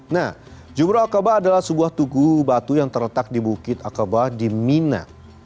nah jumroh akabah adalah sebuah tugu batu yang terletak di bukit akabah di mina